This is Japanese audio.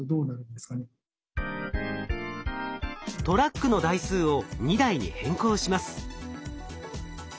トラックの台数を２台に変更します。